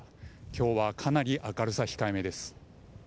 今日はかなり明るさ控えめです。